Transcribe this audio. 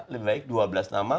lebih baik dua belas nama